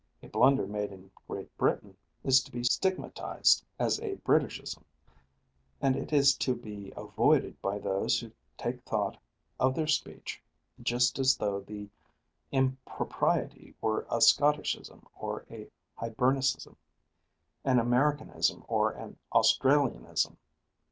A blunder made in Great Britain is to be stigmatized as a Briticism, and it is to be avoided by those who take thought of their speech just as though the impropriety were a Scotticism or a Hibernicism, an Americanism or an Australianism.